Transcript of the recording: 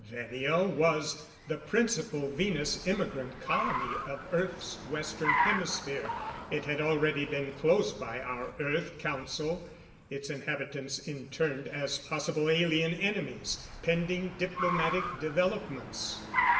Venia was the principal Venus immigrant colony of Earth's Western Hemisphere. It had already been closed by our Earth Council; its inhabitants interned as possible alien enemies, pending diplomatic developments.